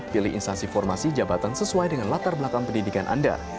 pilih instansi formasi jabatan sesuai dengan latar belakang pendidikan anda